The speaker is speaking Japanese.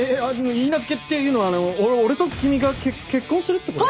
許嫁っていうのは俺と君が結婚するってこと？